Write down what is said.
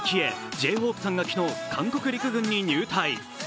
Ｊ−ＨＯＰＥさんが昨日、韓国陸軍に入隊。